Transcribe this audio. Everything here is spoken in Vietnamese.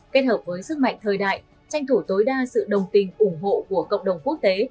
kết hợp với sức mạnh thời đại tranh thủ tối đa sự đồng tình ủng hộ của cộng đồng quốc tế